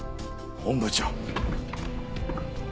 本部長。